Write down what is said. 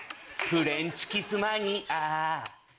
フレンチキスマニアチュチュ。